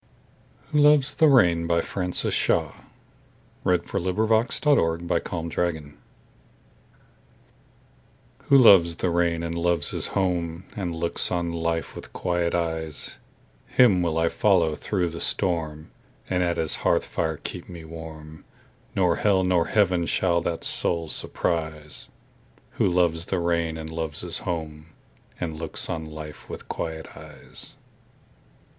Who Loves the Rain By Frances Shaw WHO loves the rainAnd loves his home, And looks on life with quiet eyes, Him will I follow through the storm; And at his hearth fire keep me warm; Nor hell nor heaven shall that soul surprise, Who loves the rain, And loves his home, And looks on life with quiet eyes.